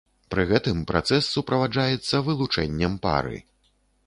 Пры гэтым працэс суправаджаецца вылучэннем пары.